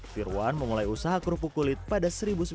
firwan memulai usaha kerupuk kulit pada seribu sembilan ratus sembilan puluh